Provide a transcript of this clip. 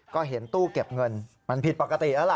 ก็เห็นตู้เก็บเงินมันผิดปกติแล้วล่ะ